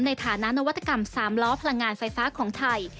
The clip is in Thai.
ในฐานะนวัตกรรม๓ล้อพลังงานไฟฟ้าของไทย